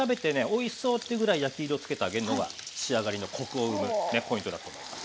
おいしそうってぐらい焼き色つけてあげるのが仕上がりのコクを生むポイントだと思います。